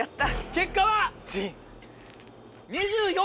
結果は。